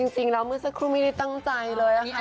จริงแล้วเมื่อสักครู่ไม่ได้ตั้งใจเลยนะคะ